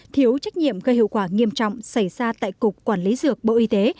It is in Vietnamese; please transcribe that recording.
thiếu trách nhiệm gây hậu quả nghiêm trọng xảy ra tại cục quản lý dược bộ y tế